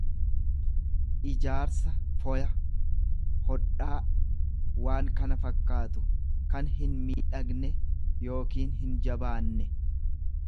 ijaarsa, foya, hodhaa, waan kana fakkaatu. kan hinmiidhagne yookiin hinjabaanne.